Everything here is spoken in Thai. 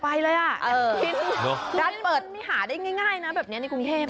อยากไปเลยอ่ะร้านเปิดไม่หาได้ง่ายนะแบบนี้ในกรุงเทพ